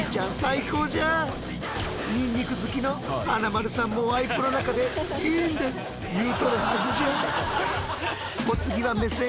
ニンニク好きの華丸さんもワイプの中で「いいんですっ！」言うとるはずじゃ。